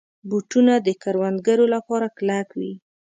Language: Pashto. بوټونه د کروندګرو لپاره کلک وي.